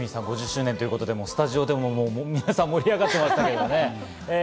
５０周年ということでスタジオでも皆さん盛り上がっていましたけどね。